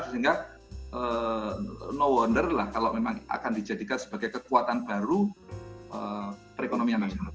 sehingga no wonder lah kalau memang akan dijadikan sebagai kekuatan baru perekonomian nasional